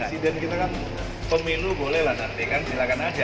siden kita kan pemilu boleh lah nanti kan silakan aja